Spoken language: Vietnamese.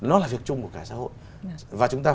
nó là việc chung của cả xã hội và chúng ta